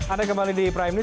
anda kembali di iprahim ini